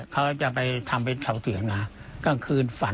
เขาจะไปทำเป็นเสาเตี๋ยงสักคืนฝัน